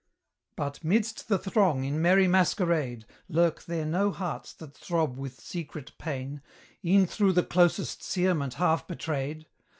But, midst the throng in merry masquerade, Lurk there no hearts that throb with secret pain, E'en through the closest searment half betrayed?